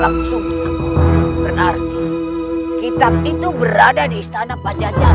seharusnya nanti kita itu berada di istana pak jodoh